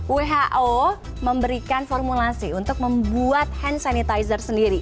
who memberikan formulasi untuk membuat hand sanitizer sendiri